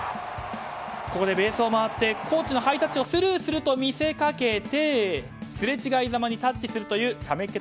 ここでベースを回ってコーチのハイタッチをスルーすると見せかけてすれ違いざまにタッチするというちゃめっ気